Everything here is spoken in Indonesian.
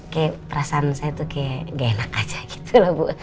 kayak perasaan saya tuh kayak gak enak aja gitu loh bu